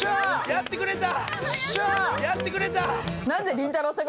やってくれた。